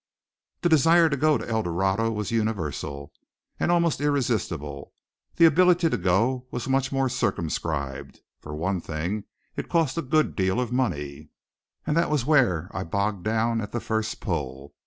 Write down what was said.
The desire to go to El Dorado was universal, and almost irresistible. The ability to go was much more circumscribed. For one thing, it cost a good deal of money; and that was where I bogged down at the first pull.